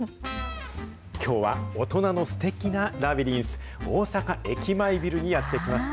きょうは大人のすてきなラビリンス、大阪駅前ビルにやって来ました。